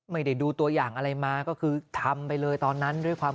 ไม่ได้ดูตัวอย่างอะไรมาก็คือทำไปเลยตอนนั้นด้วยความ